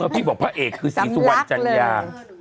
พี่บอกพระเอกคือศรีสุวรรณจัญญา